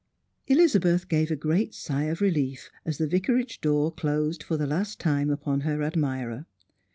Elizabeth gave a great sigh of relief as the Vicarage door closed for the last time upon her admirer.